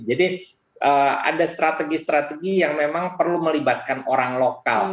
jadi ada strategi strategi yang memang perlu melibatkan orang lokal